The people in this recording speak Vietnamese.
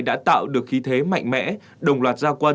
đã tạo được khí thế mạnh mẽ đồng loạt gia quân tập trung lực lượng